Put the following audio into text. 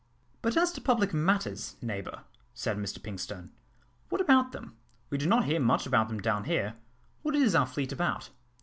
"But as to public matters, neighbour," said Mr Pinkstone, "what about them? We do not hear much about them down here. What is our fleet about?"